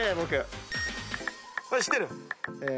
これ知ってる？